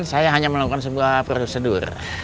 saya hanya melakukan sebuah prosedur